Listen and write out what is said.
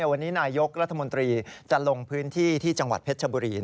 วันนี้นายกรัฐมนตรีจะลงพื้นที่ที่จังหวัดเพชรชบุรี